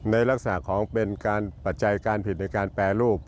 ในลักษณะของเป็นการปัจจัยการผิดในการแปรรูป